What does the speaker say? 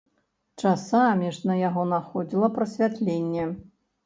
Часамі ж на яго находзіла прасвятленне.